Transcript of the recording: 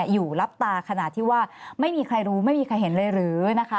อยู่รับตาขนาดที่ว่าไม่มีใครรู้ไม่มีใครเห็นเลยหรือนะคะ